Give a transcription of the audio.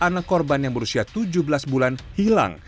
anak korban yang berusia tujuh belas bulan hilang